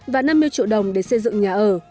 và năm mươi triệu đồng để xây dựng nhà ở